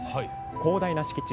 広大な敷地